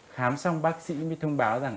khám xong bác sĩ mới thông báo rằng